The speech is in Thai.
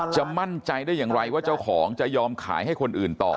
จะมั่นใจได้อย่างไรว่าเจ้าของจะยอมขายให้คนอื่นต่อ